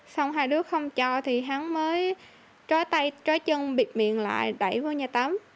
xong hai đứa không cho thì hắn mới trói tay trói chân bịt miệng lại đẩy vào nhà tắm